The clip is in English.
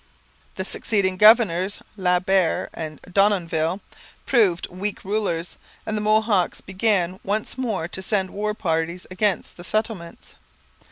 The succeeding governors, La Barre and Denonville, proved weak rulers, and the Mohawks began once more to send war parties against the settlements.